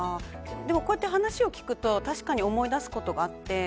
こうやって話を聞くと確かに思い出すことがあって。